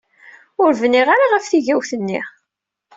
Ur bniɣ ara ɣef tigawt-nni.